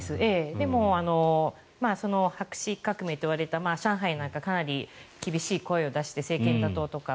でも、白紙革命といわれた上海なんかかなり厳しい声を出して政権打倒とか。